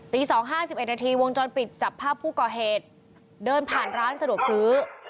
๒๕๑นาทีวงจรปิดจับภาพผู้ก่อเหตุเดินผ่านร้านสะดวกซื้อ